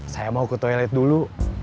saya mau ke toilet dulu